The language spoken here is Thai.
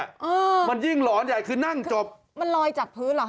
เออมันยิ่งหลอนใหญ่คือนั่งจบมันลอยจากพื้นเหรอฮ